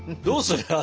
どうする？